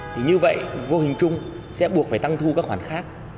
thì như vậy vô hình chung sẽ buộc phải tăng thu các khoản khác